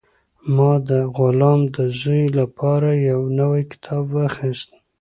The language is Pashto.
ما د غلام د زوی لپاره یو نوی کتاب واخیست.